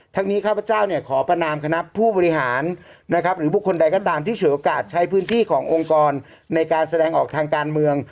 ทั้งนี้ข้าพเจ้าเนี่ยขอประนามคณะผู้บริหารนะครับหรือบุคคลใดก็ตามที่ฉวยโอกาสใช้พื้นที่ขององค์กรในการแสดงออกทางการเมือง